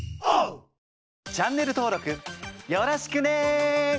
チャンネル登録よろしくね！